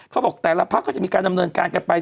เขาบอกแต่ละพักก็จะมีการดำเนินการกันไป